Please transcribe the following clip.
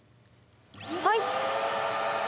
はい。